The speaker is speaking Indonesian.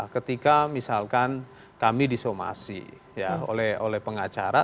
ketika misalkan kami disomasi oleh pengacara